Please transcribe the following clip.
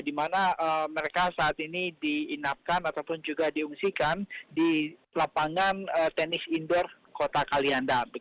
di mana mereka saat ini diinapkan ataupun juga diungsikan di lapangan tenis indoor kota kalianda